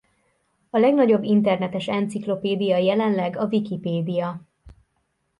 A legnagyobb internetes enciklopédia jelenleg a Wikipédia.